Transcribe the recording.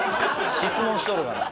質問しとるがな。